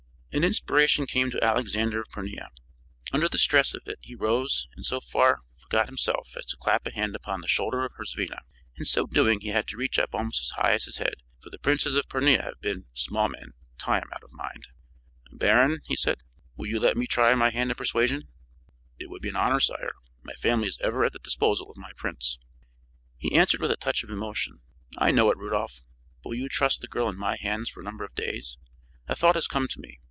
'" An inspiration came to Alexander of Pornia. Under the stress of it he rose and so far forgot himself as to clap a hand upon the shoulder of Herzvina. In so doing he had to reach up almost as high as his head, for the princes of Pornia have been small men, time out of mind. "Baron," he said, "will you let me try my hand at persuasion?" "It would be an honor, sire. My family is ever at the disposal of my prince." He answered with a touch of emotion: "I know it, Rudolph; but will you trust the girl in my hands for a number of days? A thought has come to me.